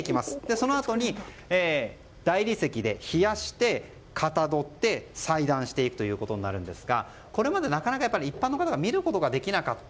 そのあとに大理石で冷やして形どって裁断していくんですがこれまで一般の人が見ることができなかった。